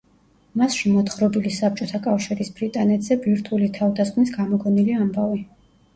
მასში მოთხრობილი საბჭოთა კავშირის ბრიტანეთზე ბირთვული თავდასხმის გამოგონილი ამბავი.